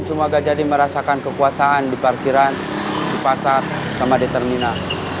semoga jadi merasakan kekuasaan di parkiran di pasar sama di terminal